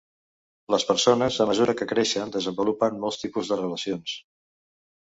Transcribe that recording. Les persones, a mesura que creixen, desenvolupen molts tipus de relacions.